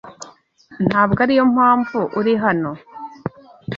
Ntabwo ariyo mpamvu uri hano?